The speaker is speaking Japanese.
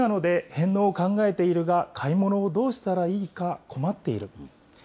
歳なので返納を考えているが、買い物をどうしたらいいか困っている。